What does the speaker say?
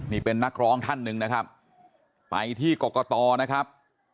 นี่เป็นนักร้องท่านหนึ่งนะครับไปที่กรกตนะครับ